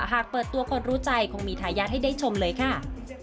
หากเปิดตัวคนรู้ใจคงมีทายาทให้ได้ชมเลยค่ะ